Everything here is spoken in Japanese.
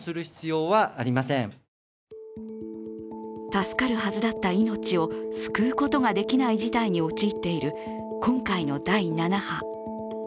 助かるはずだった命を救うことができない事態に陥っている今回の第７波。